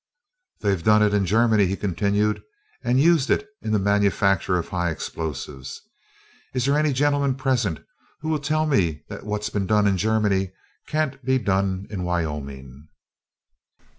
"They've done it in Germany," he continued, "and used it in the manufacture of high explosives. Is there any gentleman present who will tell me that what's been done in Germany, can't be done in Wyoming?"